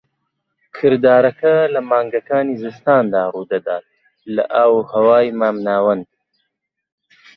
کردارەکە لە مانگەکانی زستاندا ڕوودەدات لە ئاوهەوای مامناوەند.